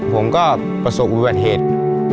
ผมก็ประสบอุบัติเหตุ